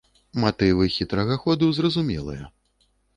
Матывы хітрага ходу зразумелыя.